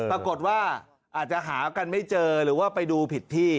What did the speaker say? ปรากฏว่าอาจจะหากันไม่เจอหรือว่าไปดูผิดที่